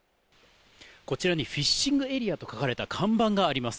こちらにフィッシングエリアと書かれた看板があります。